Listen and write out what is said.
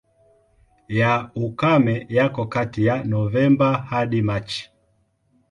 Ya ukame yako kati ya Novemba hadi Machi.